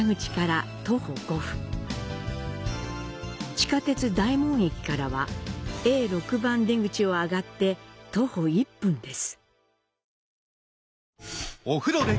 地下鉄「大門駅」からはＡ６番出口を上がって徒歩１分です。